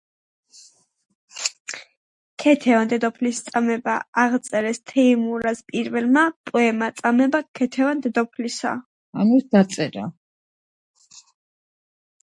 აღმოაჩინეს ყორღანები, რომლებიც ეკუთვნიან მტკვარ-არაქსის ადრეულ ბრინჯაოს კულტურას.